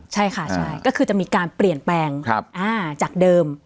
ใช่ค่ะใช่ก็คือจะมีการเปลี่ยนแปลงจากเดิม